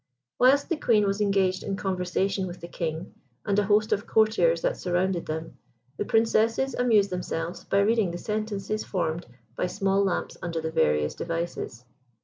Whilst the Queen was engaged in conversation with the King and a host of courtiers that surrounded them, the Princesses amused themselves by reading the sentences formed by small lamps under the various devices.